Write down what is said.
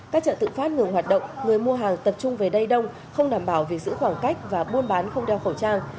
các chợ tự phát ngừng hoạt động người mua hàng tập trung về đây đông không đảm bảo việc giữ khoảng cách và buôn bán không đeo khẩu trang